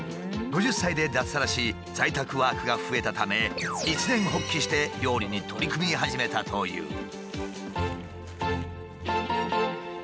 ５０歳で脱サラし在宅ワークが増えたため一念発起して料理に取り組み始めたという。